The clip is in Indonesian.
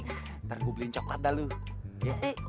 ntar gue beliin coklat dahulu